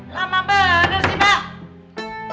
lama bener sih mbak